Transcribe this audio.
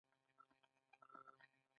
اکروپولیس د ښار تر ټولو لوړې برخې ته وایي.